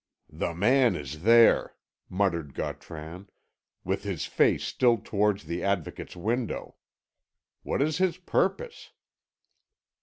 "The man is there," muttered Gautran, "with his face still towards the Advocate's window. What is his purpose?"